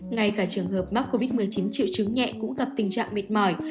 ngay cả trường hợp mắc covid một mươi chín triệu chứng nhẹ cũng gặp tình trạng mệt mỏi